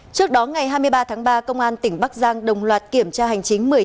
trước đó ngày hai mươi ba tháng ba công an tỉnh bắc giang đồng loạt kiểm tra hành chính